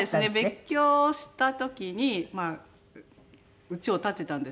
別居をした時にうちを建てたんですよね。